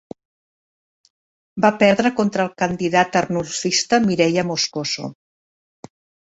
Va perdre contra el candidat Arnulfista, Mireya Moscoso.